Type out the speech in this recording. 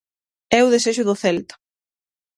É o desexo do Celta.